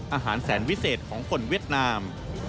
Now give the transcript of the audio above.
อาหารแสนวิเศษของคนเวียดนาม